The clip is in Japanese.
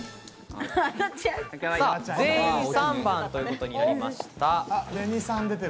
全員３番ということになりました。